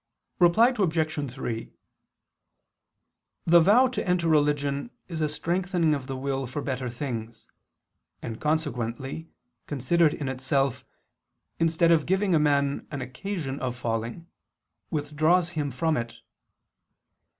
Reply Obj. 3: The vow to enter religion is a strengthening of the will for better things, and consequently, considered in itself, instead of giving a man an occasion of falling, withdraws him from it.